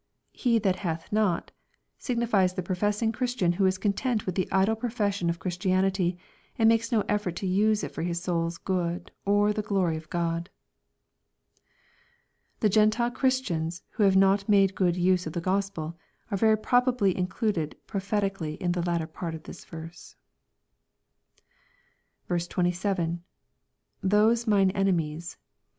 " He that hath not," signifies the professing Christian who is content with the idle possession of Christianity, and makes no effort to use it for his soul's good, or the glory of God. The Grentile Christians who have not made a good use of the Gospel, are very probably included prophetically in the latter part of the verse. 27. — [Those mine enemies...